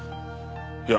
いや。